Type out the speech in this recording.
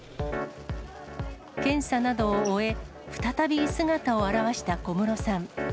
検査などを終え、再び姿を現した小室さん。